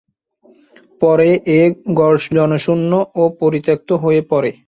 পরে এই গড় জনশূন্য ও পরিত্যক্ত হয়ে পড়ে।